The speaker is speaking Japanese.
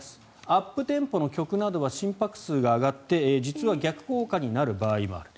アップテンポの曲などは心拍数が上がって実は逆効果になる場合もある。